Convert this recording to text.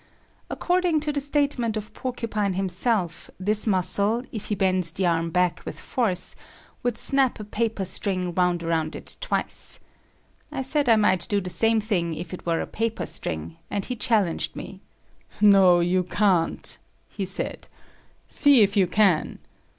According to the statement of Porcupine himself, this muscle, if he bends the arm back with force, would snap a paper string wound around it twice. I said I might do the same thing if it were a paper string, and he challenged me. "No, you can't," he said. "See if you can."